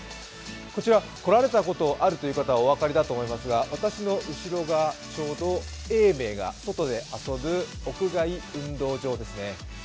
こちら、来られたことあるという方はお分かりだと思いますが私の後ろがちょうど永明が外で遊ぶ屋外運動場ですね。